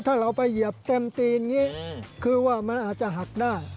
ถ้าเราไปเหยียบเต็มตีนอย่างนี้คือว่ามันอาจจะหักได้